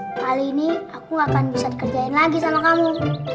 kali ini aku akan bisa dikerjain lagi sama kamu